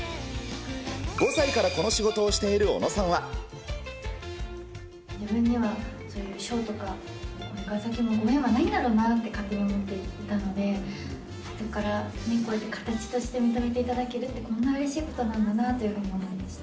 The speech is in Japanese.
５歳からこの仕事をしている小野自分にはそういう賞とか、これから先もご縁はないんだろうなって勝手に思っていたんで、だから、こうやって形として認めていただけるって、こんなうれしいことなんだなというふうに思いました。